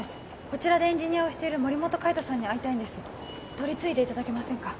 こちらでエンジニアをしている森本海斗さんに会いたいんです取り次いでいただけませんか？